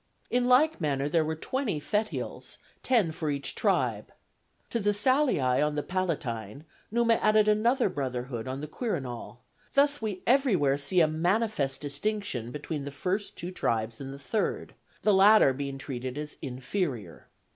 In like manner there were twenty Fetiales, ten for each tribe. To the Salii on the Palatine Numa added another brotherhood on the Quirinal; thus we everywhere see a manifest distinction between the first two tribes and the third, the latter being treated as inferior.